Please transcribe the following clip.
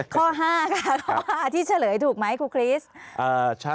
ข้อ๕ค่ะข้อ๕ที่เฉลยถูกไหมครูคริสต์